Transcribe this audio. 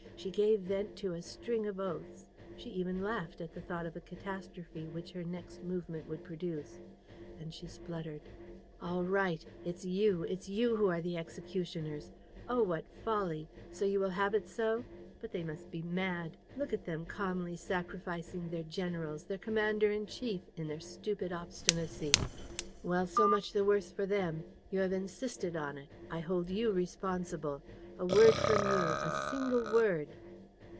She gave vent to a string of oaths. She even laughed, at the thought of the catastrophe which her next movement would produce. And she spluttered: "All right! It's you, it's you who are the executioners! ... Oh, what folly! ... So you will have it so? But they must be mad! Look at them, calmly sacrificing their generals, their commander in chief, in their stupid obstinacy. Well, so much the worse for them! You have insisted on it. I hold you responsible. A word from you, a single word.